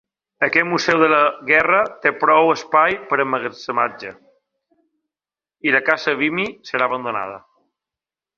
Aquest museu de la guerra té prou espai per a emmagatzematge, i la casa Vimy serà abandonada.